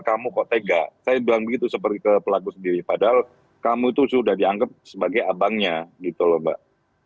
kamu kok tega saya bilang begitu seperti ke pelaku sendiri padahal kamu itu sudah dianggap sebagai abangnya gitu loh mbak